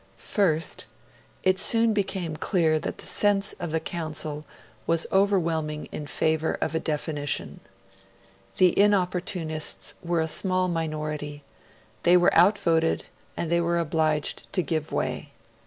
(1) It soon became clear that the sense of the Council was overwhelmingly in favour of a definition. The Inopportunists were a small minority; they were outvoted, and they were obliged to give way.